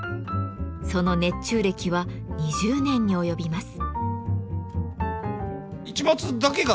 その熱中歴は２０年に及びます。